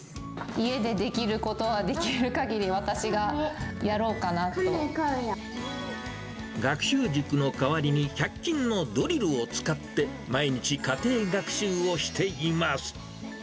家でできることは、できるかぎり、私がやろうかなと。学習塾の代わりに、百均のドリルを使って毎日家庭学習をしています。